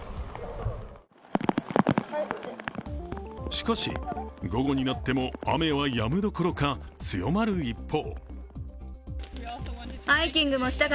しかし、午後になっても雨はやむどころか、強まる一方。